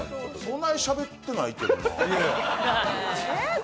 そんなにしゃべってないけどな。